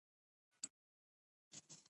چار مغز د افغان کورنیو د دودونو یو مهم عنصر دی.